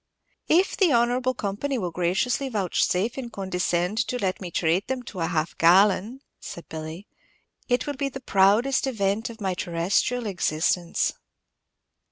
"If the honorable company will graciously vouchsafe and condescind to let me trate them to a half gallon," said Billy, "it will be the proudest event of my terrestrial existence."